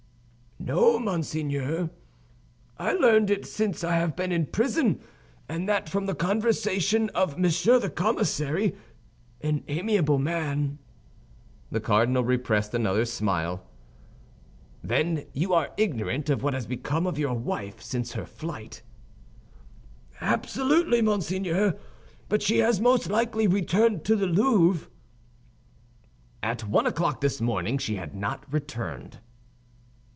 "No, monseigneur. I learned it since I have been in prison, and that from the conversation of Monsieur the Commissary—an amiable man." The cardinal repressed another smile. "Then you are ignorant of what has become of your wife since her flight." "Absolutely, monseigneur; but she has most likely returned to the Louvre." "At one o'clock this morning she had not returned."